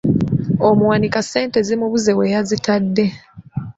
Okuwanika ssente zimubuze we yazitadde.